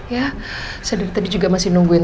ya saya tadi juga masih nungguin